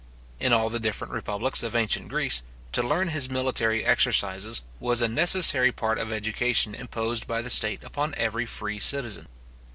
In all the different republics of ancient Greece, to learn his military exercises, was a necessary part of education imposed by the state upon every free citizen.